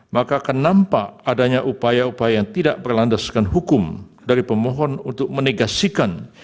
maka akan nampak adanya upaya upaya yang tidak berlandaskan hukum dari pemohon untuk menegasikan